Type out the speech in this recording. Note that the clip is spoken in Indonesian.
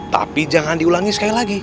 tapi jangan diulangi sekali lagi